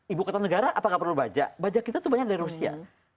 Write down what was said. ibu kota negara apa nggak perlu baja baja kita tuh banyak dari rusia